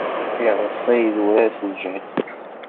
Ireṣṣa idurar s lǧehd-is.